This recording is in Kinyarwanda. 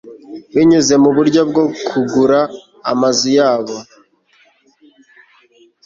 binyuze mu buryo bwo kugura amazu yabo